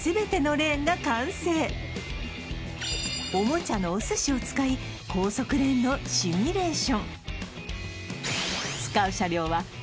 ようやくおもちゃのお寿司を使い高速レーンのシミュレーション